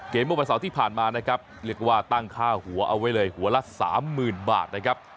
เกมอุปสรรคที่ผ่านมานะครับเรียกว่าตั้งค่าหัวเอาไว้เลยหัวละ๓๐๐๐๐บาทนะครับ